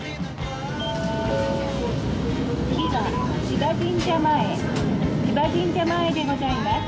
「千葉神社前でございます」